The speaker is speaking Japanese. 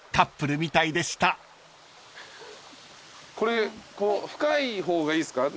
これ深い方がいいっすか？